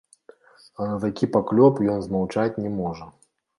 А на такі паклёп ён змаўчаць не можа.